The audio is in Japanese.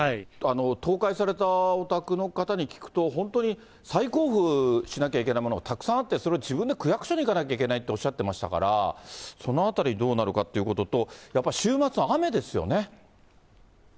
倒壊されたお宅の方に聞くと、本当に再交付しなきゃいけないもの、たくさんあって、それを自分で区役所に行かなきゃいけないっておっしゃってましたから、そのあたり、どうなるかっていうことと、やっぱり週末、雨ですよね。